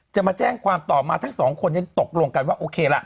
จะมาแจ้งความต่อมาทั้งสองคนยังตกลงกันว่าโอเคล่ะ